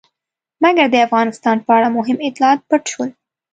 مګر د افغانستان په اړه مهم اطلاعات پټ شول.